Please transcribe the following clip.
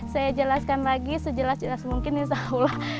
saya jelaskan lagi sejelas jelas mungkin insya allah